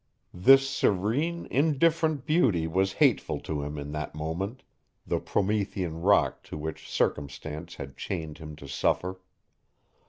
This serene, indifferent beauty was hateful to him in that moment, the Promethean rock to which circumstance had chained him to suffer.